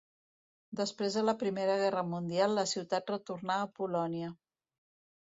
Després de la Primera Guerra Mundial la ciutat retornà a Polònia.